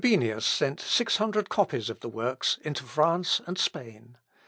Frobenius sent six hundred copies of the works into France and Spain.